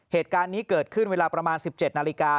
เหตุการณ์นี้เกิดขึ้นเวลาประมาณ๑๗นาฬิกา